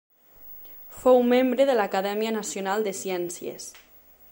Fou membre de l'Acadèmia Nacional de Ciències.